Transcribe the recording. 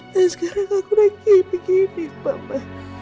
dan sekarang aku lagi begini papa